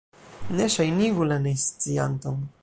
Ne ŝajnigu la nescianton.